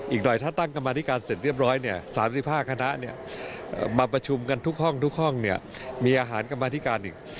อีกหน่อยถ้าตั้งกรรมธิการเสร็จเรียบร้อยเนี่ย๓๕คณะมาประชุมกันทุกห้องทุกห้องเนี่ยมีอาหารกรรมาธิการอีก